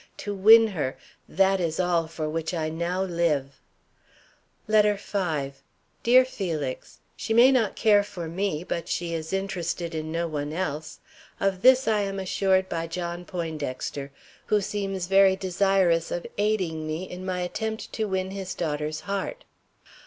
To win her that is all for which I now live. LETTER V. DEAR FELIX: She may not care for me, but she is interested in no one else. Of this I am assured by John Poindexter, who seems very desirous of aiding me in my attempt to win his daughter's heart.